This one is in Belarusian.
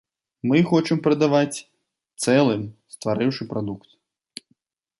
Мы хочам прадаваць цэлым, стварыўшы прадукт.